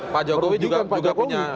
pak jokowi juga punya resim ini ya